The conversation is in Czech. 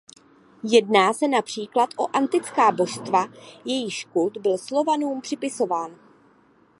Jedná se například o antická božstva jejichž kult byl Slovanům připisován.